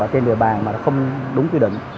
trên đường bàn mà không đúng quy định